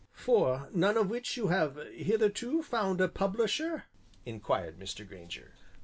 "For none of which you have hitherto found a publisher?" inquired Mr. Grainger.